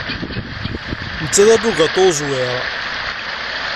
Netta d abugaṭu uẓwir.